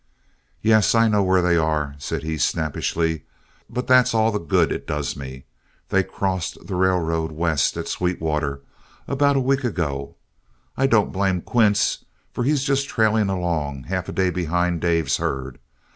"Yes, I know where they are," said he, snappishly, "but that's all the good it does me. They crossed the railroad, west, at Sweetwater, about a week ago. I don't blame Quince, for he's just trailing along, half a day behind Dave's herd.